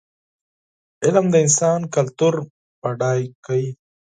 علم د انسان کلتور بډای کوي.